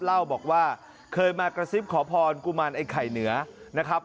เล่าบอกว่าเคยมากระซิบขอพรกุมารไอ้ไข่เหนือนะครับ